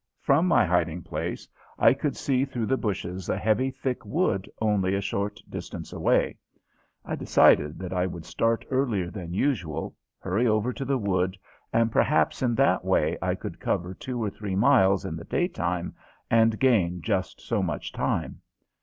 From my hiding place I could see through the bushes a heavy thick wood only a short distance away. I decided that I would start earlier than usual, hurry over to the wood, and perhaps in that way I could cover two or three miles in the daytime and gain just so much time.